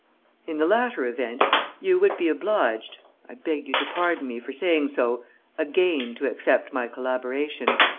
"In the latter event, you would be obliged I beg you to pardon me for saying so again to accept my collaboration.